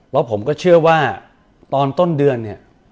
แล้วผมก็เชื่อว่าตอนต้นเดือนเนี่ย